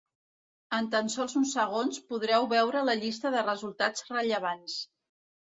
En tan sols uns segons, podreu veure la llista de resultats rellevants.